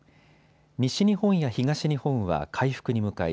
西日本や東日本は回復に向かい